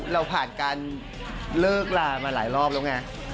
เราผ่านการเลิกลามาหลายรอบแล้วไง